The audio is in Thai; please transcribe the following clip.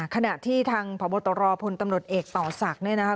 ขนาดที่ทางพบตรพลตำรวจเอกบันตร์ต่อสัก